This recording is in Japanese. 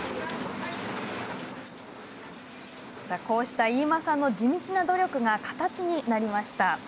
こうした飯間さんの地道な努力が形になりました。